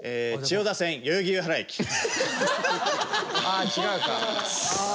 あ違うか。